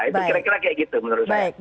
itu kira kira kayak gitu menurut saya